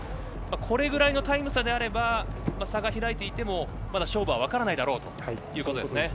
これぐらいのタイム差なら差が開いていても勝負は分からないだろうと。